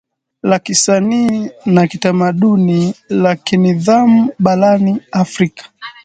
la kisanii na kitamaduni la kinidhamu barani Afrika